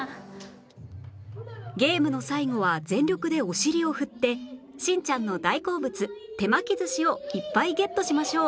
ゲームの最後は全力でお尻を振ってしんちゃんの大好物手巻き寿司をいっぱいゲットしましょう